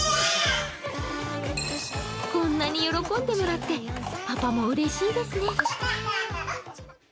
こんなに喜んでもらってパパもうれしいですね。